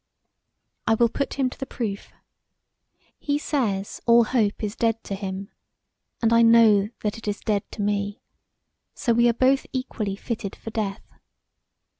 I will put him to the proof. He says all hope is dead to him, and I know that it is dead to me, so we are both equally fitted for death.